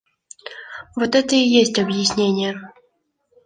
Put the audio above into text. Вот это и есть объяснение.